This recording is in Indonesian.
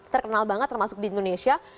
terkenal banget termasuk di indonesia